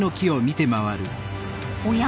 おや？